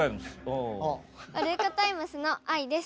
ワルイコタイムスのあいです。